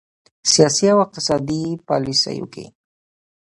سیاسي او اقتصادي پالیسیو کې